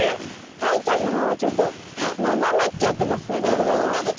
タイちゃんの方はちょっとななめっちゃってますね体が。